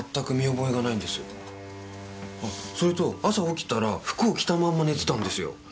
あそれと朝起きたら服を着たまま寝てたんですよ。